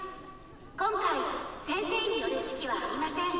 今回先生による指揮はありません。